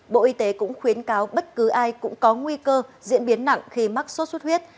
bộ y tế cũng khuyến cáo bất cứ ai cũng có nguy cơ diễn biến nặng khi mắc sốt xuất huyết